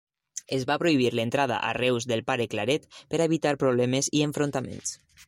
Es va prohibir l'entrada a Reus del pare Claret per a evitar problemes i enfrontaments.